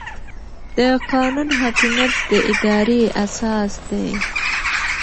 د قانون حاکمیت د ادارې اساس دی.